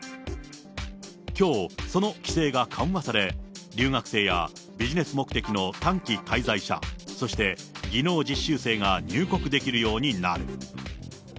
きょう、その規制が緩和され、留学生やビジネス目的の短期滞在者、そして技能実習生が入国できるようになる。